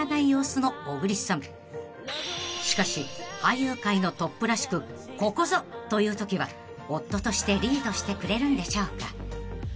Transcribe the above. ［しかし俳優界のトップらしくここぞというときは夫としてリードしてくれるんでしょうか］